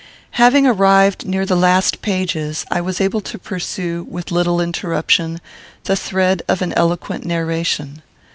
Having arrived near the last pages, I was able to pursue, with little interruption, the thread of an eloquent narration.